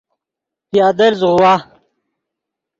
پیادل زوغوا